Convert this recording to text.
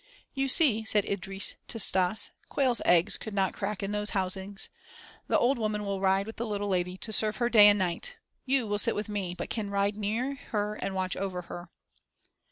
"You see," said Idris to Stas, "quail's eggs could not crack in those housings. The old woman will ride with the little lady to serve her day and night. You will sit with me, but can ride near her and watch over her."